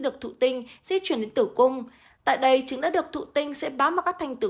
được thụ tinh di chuyển đến tử cung tại đây chứng đã được thụ tinh sẽ bám vào các thành tựu